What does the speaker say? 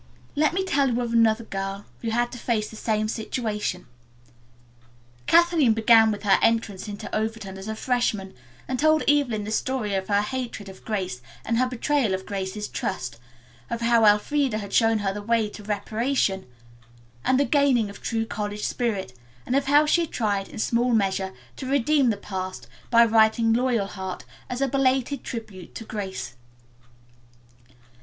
"Let me tell you of another girl who had to face the same situation." Kathleen began with her entrance into Overton as a freshman and told Evelyn the story of her hatred of Grace and her betrayal of Grace's trust, of how Elfreda had shown her the way to reparation and the gaining of true college spirit, and of how she had tried in a small measure to redeem the past by writing "Loyalheart" as a belated tribute to Grace.